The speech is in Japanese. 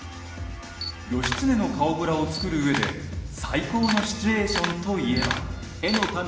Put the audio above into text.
義経の顔グラを作るうえで最高のシチュエーションといえば。